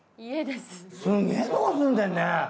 すげえとこ住んでんね。